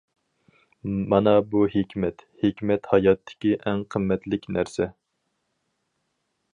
مانا بۇ ھېكمەت، ھېكمەت ھاياتتىكى ئەڭ قىممەتلىك نەرسە.